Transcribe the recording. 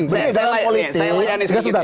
oke saya layanin segitu ya